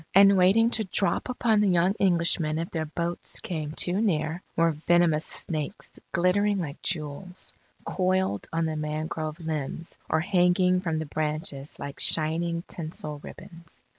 And waiting to drop upon the young Englishmen if their boats came too near, were venomous snakes glittering like jewels, coiled on the mangrove limbs or hanging from the branches like shining tinsel ribbons.